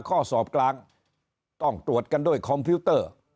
ข้อสอบกลางต้องตรวจกันด้วยคอมพิวเตอร์